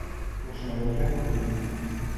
مشارکت کنین